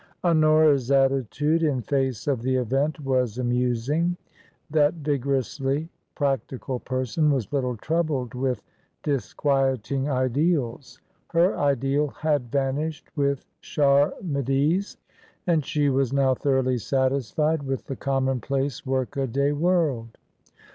Honora's attitude in face of the event was amusing ; that vigorously practical person was little troubled with disquieting ideals; her ideal had vanished with Char mides^ and she was now thoroughly satisfied with the commonplace work a day world.